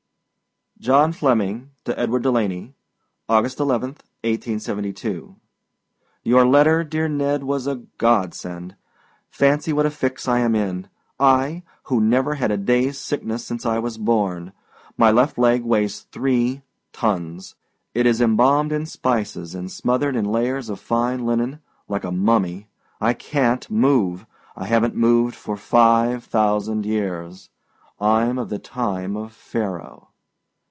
JOHN FLEMMING TO EDWARD DELANEY. August 11, 1872. Your letter, dear Ned, was a godsend. Fancy what a fix I am in I, who never had a dayâs sickness since I was born. My left leg weighs three tons. It is embalmed in spices and smothered in layers of fine linen, like a mummy. I canât move. I havenât moved for five thousand years. Iâm of the time of Pharaoh.